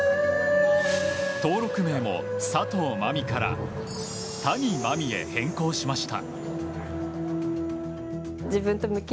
登録名も佐藤真海から谷真海へ変更しました。